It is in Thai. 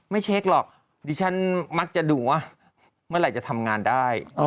ไม่เช็คหรอกดิฉันมักจะดูว่าเมื่อไหร่จะทำงานได้